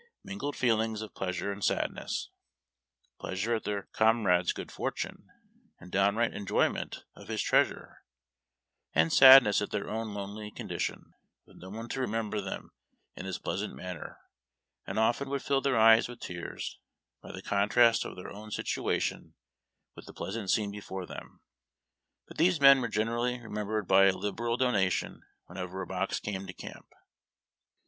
mingled feelings of pleasure and sadness : pleasure at their comrade's good fortune and downright enjoyment of his treasure, and sadness at their own lonely condition, with no one to remendier them in this pleasant manner, and often would their eyes till with tears by the contrast of their own situation with the pleasant scene before them. But these men were generally remembered by a liberal donation when ever a box came to camp.